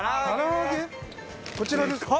こちらですか？